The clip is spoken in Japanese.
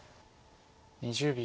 ２０秒。